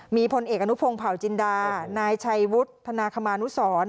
มีพลเอกอนุพงศ์เผาจินดานายชัยวุฒิธนาคมานุสร